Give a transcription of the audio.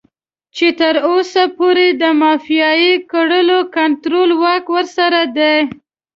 چې تر اوسه پورې د مافيايي کړيو کنټرول واک ورسره دی.